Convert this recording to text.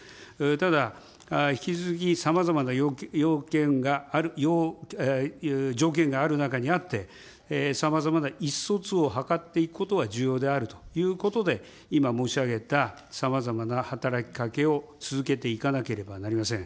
ただ、引き続きさまざまな要件がある、条件がある中にあって、さまざまな意思疎通を図っていくことは重要であるということで、今申し上げたさまざまな働きかけを続けていかなければなりません。